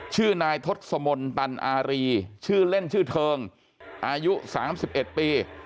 ชื่อนายทศมนตร์ตันอารีชื่อเล่นชื่อเทิงอายุสามสิบเอ็ดปี